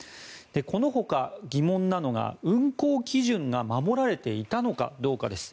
このほか、疑問なのが運航基準が守られていたのかどうかです。